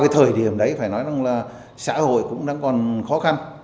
thời điểm đấy phải nói rằng là xã hội cũng đang còn khó khăn